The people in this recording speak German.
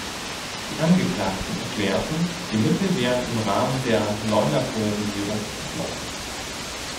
Die Angeklagten erklärten, die Mittel wären im Rahmen der Leuna-Privatisierung geflossen.